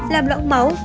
làm lõng máu